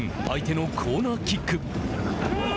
相手のコーナーキック。